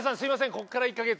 ここから１か月。